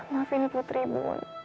maafin putri bund